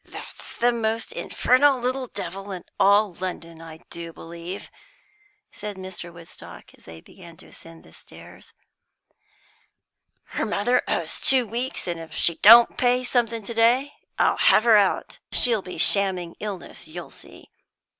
"That's the most infernal little devil in all London, I do believe," said Mr. Woodstock, as they began to ascend the stairs. "Her mother owes two weeks, and if she don't pay something to day, I'll have her out. She'll be shamming illness, you'll see.